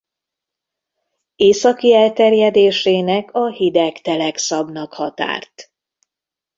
Északi elterjedésének a hideg telek szabnak határt.